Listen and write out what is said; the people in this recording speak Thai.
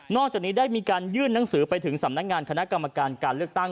จากนี้ได้มีการยื่นหนังสือไปถึงสำนักงานคณะกรรมการการเลือกตั้ง